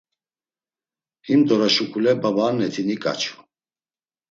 Himdora şuǩule babaanneti niǩaçu.